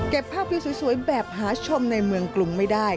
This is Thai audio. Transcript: เก็บภาพริวสวยแบบหาชมในเมืองกลุ่มไม่ได้